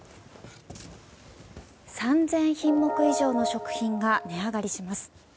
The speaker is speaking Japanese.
３０００品目以上の食品が値上がりします。